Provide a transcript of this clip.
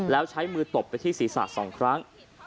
แล้วใช้มือตบไปที่ศรีศาสตร์สองครั้ง